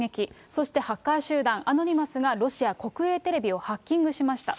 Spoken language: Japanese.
そしてハッカー集団、アノニマスがロシア国営テレビをハッキングしました。